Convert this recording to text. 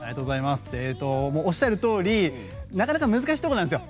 おっしゃるとおりなかなか難しいとこなんですよ。